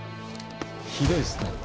ひどいですね。